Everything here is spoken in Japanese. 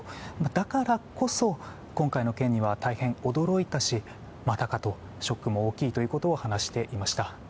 だからこそ今回の件は大変驚いたしまたかとショックも大きいと話していました。